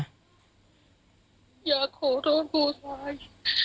อยากขอโทษครูซาย